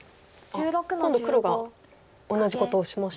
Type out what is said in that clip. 今度黒が同じことをしましたね。